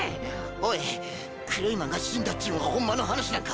おいクレイマンが死んだっちゅうんはホンマの話なんか？